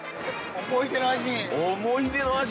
◆思い出の味。